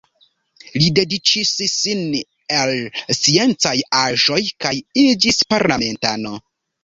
Li dediĉis sin al sciencaj aĵoj kaj iĝis parlamentano.